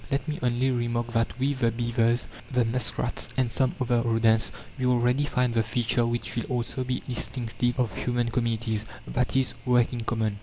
Let me only remark that with the beavers, the muskrats, and some other rodents, we already find the feature which will also be distinctive of human communities that is, work in common.